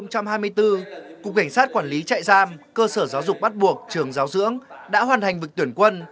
năm hai nghìn hai mươi bốn cục cảnh sát quản lý chạy giam cơ sở giáo dục bắt buộc trường giáo dữ đã hoàn thành vực tuyển quân